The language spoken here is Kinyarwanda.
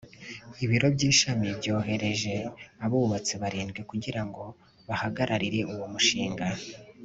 ibiro by' ishami byohereje abubatsi barindwi kugira ngo bahagararire uwo mushinga